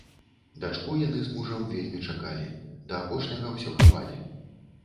Дачку яны з мужам вельмі чакалі, да апошняга ўсё хавалі.